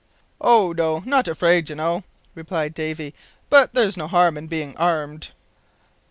"Oh, no, not afraid, you know," replied Davy. "But there's no harm in being armed."